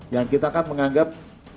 yang kita kan menganggap